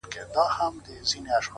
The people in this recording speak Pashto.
پوه انسان له پوښتنې نه شرمیږي’